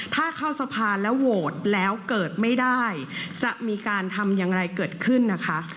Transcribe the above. ถ้าเข้าสะพานแล้วโหวตแล้วเกิดไม่ได้จะมีการทำอย่างไรเกิดขึ้นนะคะ